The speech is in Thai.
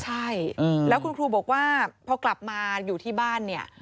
ใช่แล้วคุณครูบอกว่าพอกลับมาอยู่ที่บ้านเนี่ย